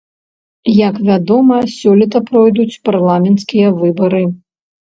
Як вядома, сёлета пройдуць парламенцкія выбары.